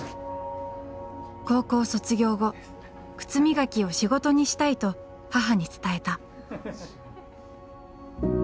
高校卒業後靴磨きを仕事にしたいと母に伝えた。